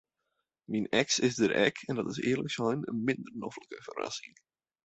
Myn eks is der ek en dat is earlik sein in minder noflike ferrassing.